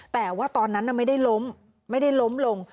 แต่ว่าตอนนั้นไม่ได้ล้มลง